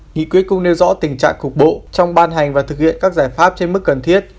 nghị quyết cũng nêu rõ tình trạng cục bộ trong ban hành và thực hiện các giải pháp trên mức cần thiết